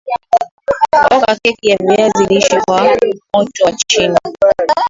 oka keki ya viazi lishe kwa moto wa chini